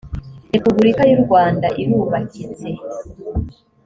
repubulika y’ u rwanda irubakitse.